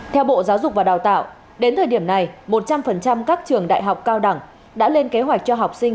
theo bộ giáo dục và đào tạo đến thời điểm này một trăm linh các trường đại học cao đẳng đã lên kế hoạch cho học sinh